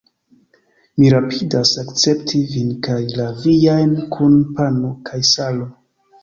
Mi rapidas akcepti vin kaj la viajn kun pano kaj salo!